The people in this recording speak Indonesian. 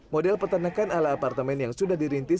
model peternakan ala apartemen yang sudah dirintis